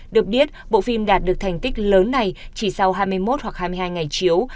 được biết bộ phim đạt được thành tích lớn này chỉ sau hai mươi một hoặc hai mươi hai ngày chiếu